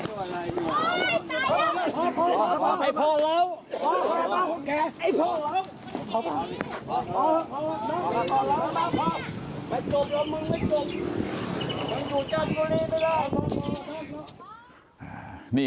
สงสัยกับสิงหรือโจมตี